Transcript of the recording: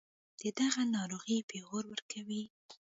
دَدغه ناروغۍپېغور ورکوي